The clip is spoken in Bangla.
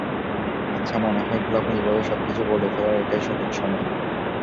আচ্ছা, মনে হয় খোলাখুলিভাবে সবকিছু বলে ফেলার এটাই সঠিক সময়।